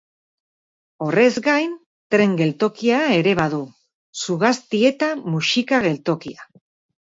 Horrez gain, tren geltokia ere badu, Zugastieta-Muxika geltokia.